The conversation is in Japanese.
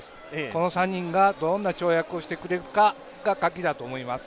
この３人がどんな跳躍をしてくれるかがカギだと思います。